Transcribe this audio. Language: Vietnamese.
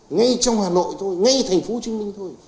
ngay trong hà nội thôi ngay thành phố trinh minh thôi